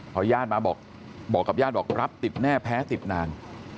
เขาบอกกับญาติบรับติดแน่แพ้ติดนาน